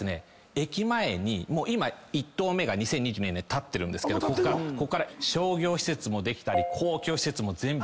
駅前に今１棟目が２０２２年建ってるんですけどこっから商業施設もできたり公共施設も全部。